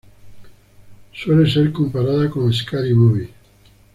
Suele ser comparada con "Scary Movie.